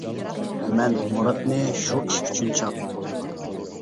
مەن مۇراتنى شۇ ئىش ئۈچۈن چاقىرتتىم.